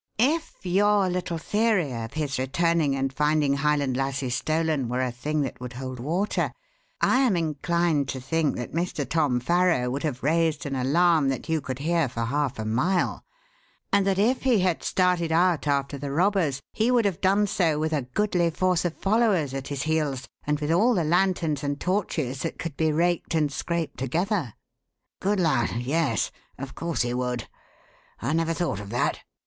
"If your little theory of his returning and finding Highland Lassie stolen were a thing that would hold water I am inclined to think that Mr. Tom Farrow would have raised an alarm that you could hear for half a mile, and that if he had started out after the robbers he would have done so with a goodly force of followers at his heels and with all the lanterns and torches that could be raked and scraped together." "Good lud, yes! of course he would. I never thought of that.